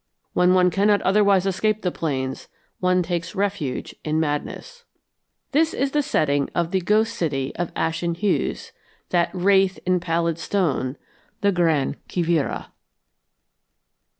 When one cannot otherwise escape the plains, one takes refuge in madness." This is the setting of the "ghost city" of "ashen hues," that "wraith in pallid stone," the Gran Quivira.